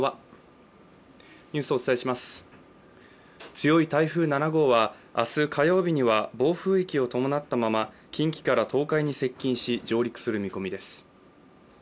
強い台風７号は明日火曜日には暴風域を伴ったまま近畿から東海に接近し上陸する見込みです。